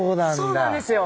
そうなんですよ。